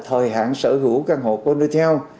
thời hạn sở hữu căn hộ thundertail